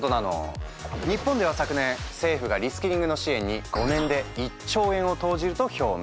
日本では昨年政府がリスキリングの支援に５年で１兆円を投じると表明。